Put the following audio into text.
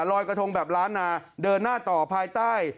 รอยกระทงแบบล้านนาเดินหน้าต่อภายใต้